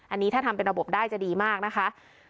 อันนี้ถ้าทำเป็นระบบได้จะดีมากนะคะ